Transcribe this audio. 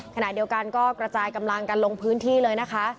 ขณะเดียวกันก็กระจายกำลังกันลงพื้นที่เลยนะคะ